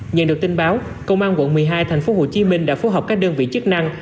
nhận được tin báo công an quận một mươi hai tp hcm đã phối hợp các đơn vị chức năng